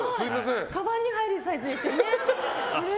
かばんに入るサイズですね。